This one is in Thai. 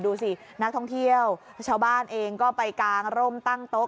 ดูสินักท่องเที่ยวชาวบ้านเองก็ไปกางร่มตั้งโต๊ะ